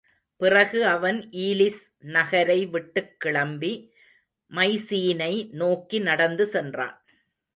பிறகு அவன் ஈலிஸ் நகரை விட்டுக் கிளம்பி மைசீனை நோக்கி நடந்து சென்றான்.